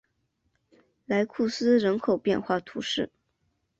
莱库斯人口变化图示